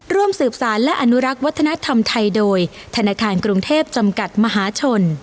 ร่วมสืบสารและอนุรักษ์วัฒนธรรมไทยโดยธนาคารกรุงเทพจำกัดมหาชน